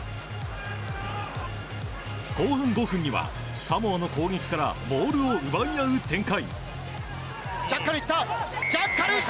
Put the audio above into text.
後半５分にはサモアの攻撃からボールを奪い合う展開。